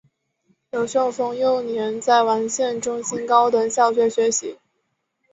刘秀峰幼年在完县中心高等小学学习。